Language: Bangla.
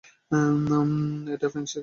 এটা ফেংশির কাজ?